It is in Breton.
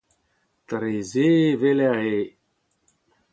dre se e weler e…